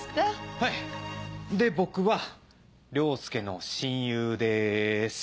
はいで僕は凌介の親友です。